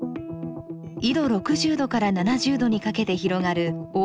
緯度６０度から７０度にかけて広がるオーロラの多発